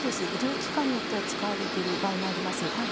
医療機関によっては使われている場合もあります。